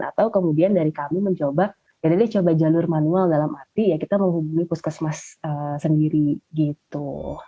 atau kemudian dari kami mencoba jadi dia coba jalur manual dalam arti ya kita mau membeli puskesmas sendiri gitu